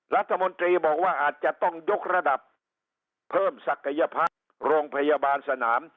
รัฐมนตรีบอกว่าอาจจะต้องยกระดับเพิ่มศักยภาพโรงพยาบาลสนาม